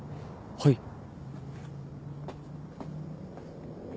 はい。